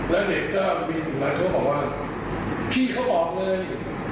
แล้วเด็กก็บีถึงมาก็บอกว่าพี่เขาบอกเลย